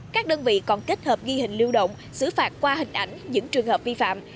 các đơn vị còn kết hợp ghi hình lưu động xử phạt qua hình ảnh những trường hợp vi phạm